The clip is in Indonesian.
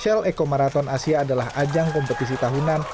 shell eco marathon asia adalah ajang kompetisi tahunan